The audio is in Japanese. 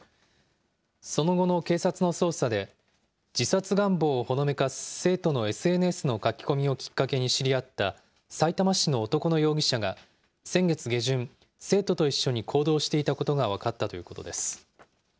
その後の警察の捜査で、自殺願望をほのめかす生徒のＳＮＳの書き込みをきっかけに知り合った、さいたま市の男の容疑者が先月下旬、生徒と一緒に行動していたことが分かったということです。